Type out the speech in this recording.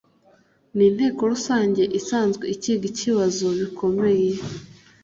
n Inteko Rusange isanzwe ikiga ibibazo bikomeye